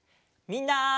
みんな！